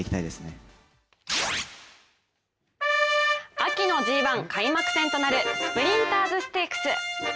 秋のＧⅠ開幕戦となるスプリンターズステークス。